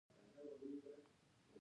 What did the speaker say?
افغانستان څومره پسونه لري؟